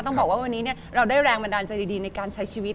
ต้องบอกว่าวันนี้เราได้แรงบันดาลใจดีในการใช้ชีวิต